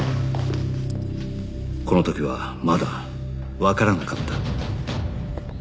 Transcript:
この時はまだわからなかった